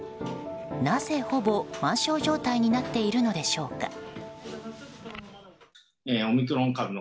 なぜ、ほぼ満床状態になっているのでしょうか？